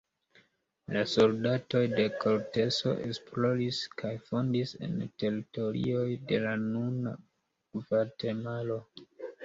La soldatoj de Korteso esploris kaj fondis en teritorioj de la nuna Gvatemalo.